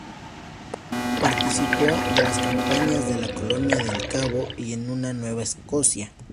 Participó de las campañas de la Colonia de El Cabo y en Nueva Escocia.